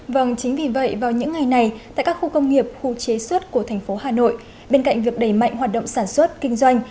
vâng chính vì vậy vào những ngày này tại các khu công nghiệp khu chế xuất của thành phố hà nội bên cạnh việc đẩy mạnh hoạt động sản xuất kinh doanh